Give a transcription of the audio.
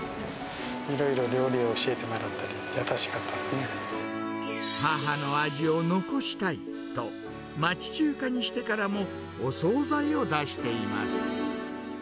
いろいろ料理教えてもらって、母の味を残したいと、と、町中華にしてからもお総菜を出しています。